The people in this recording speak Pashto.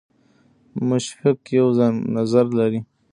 مشفق یو نظر لري.